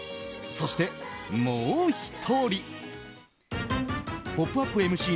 そして、もう１人。